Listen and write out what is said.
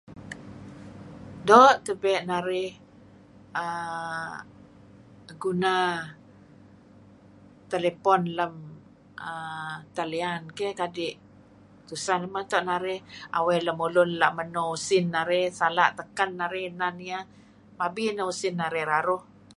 Doo' tebe' narih err guna telepon lem err talian tebe' keh err kadi' tuseh meto anrih awe' dulun la' meno usin narih, sala' teken narih neh niyeh, mabi neh usin narih raruh.